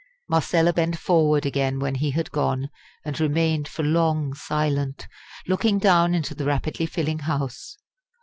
Marcella bent forward again when he had gone, and remained for long silent, looking down into the rapidly filling House.